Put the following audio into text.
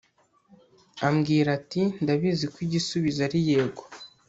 ambwira ati ndabizi ko igusubizo ari yego